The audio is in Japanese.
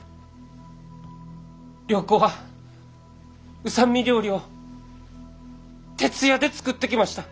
良子は御三味料理を徹夜で作ってきました。